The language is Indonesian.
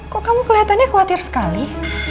kok kamu kelihatannya khawatir sekali